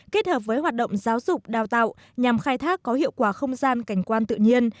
kết hợp với hoạt động giáo dục đào tạo nhằm khai thác có hiệu quả không gian cảnh quan tự nhiên